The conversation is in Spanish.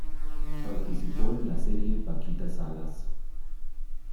Participó en la serie Paquita Salas.